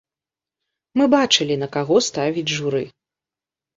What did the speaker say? Мы бачылі, на каго ставіць журы.